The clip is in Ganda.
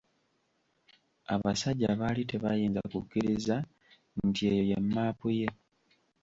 Abasajja baali tebayinza kukkiriza nti eyo ye map ye.